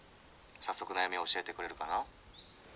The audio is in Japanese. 早速悩みを教えてくれるかな？」。